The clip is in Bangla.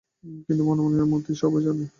কিন্তু মনে মনে মতি সবই জানে।